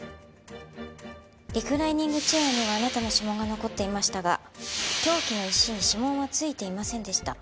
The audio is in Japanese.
リクライニングチェアにはあなたの指紋が残っていましたが凶器の石に指紋は付いていませんでした。